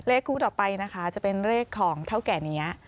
คู่ต่อไปนะคะจะเป็นเลขของเท่าแก่นี้